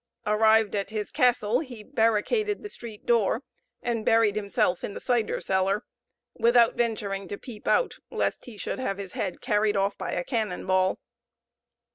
Arrived at his castle, he barricaded the street door, and buried himself in the cider cellar, without venturing to peep out, lest he should have his head carried off by a cannon ball.